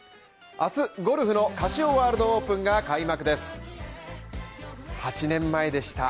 明日ゴルフのカシオワールドオープンが開幕です。